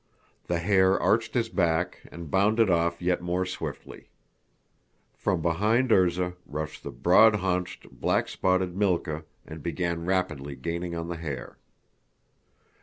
The hare arched his back and bounded off yet more swiftly. From behind Erzá rushed the broad haunched, black spotted Mílka and began rapidly gaining on the hare.